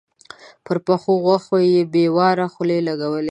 پر پخو غوښو يې بې واره خولې لګولې.